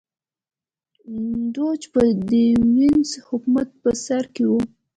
دوج چې د وینز حکومت په سر کې و